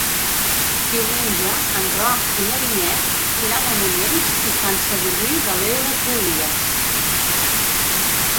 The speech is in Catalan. Diumenge en Roc i na Vinyet iran a Monells i Sant Sadurní de l'Heura Cruïlles.